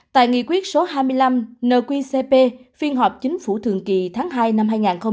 tại nghị quyết số hai mươi năm nqcp phiên họp chính phủ thường kỳ tháng hai năm hai nghìn hai mươi